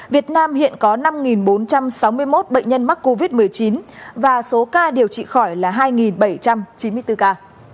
việt nam hiện có năm bốn trăm sáu mươi một bệnh nhân mắc covid một mươi chín và số ca điều trị khỏi là hai bảy trăm chín mươi bốn ca